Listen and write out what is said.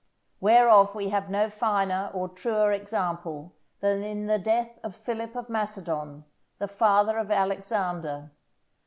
Whereof we have no finer or truer example than in the death of Philip of Macedon, the father of Alexander.